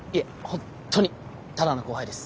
本当にただの後輩です。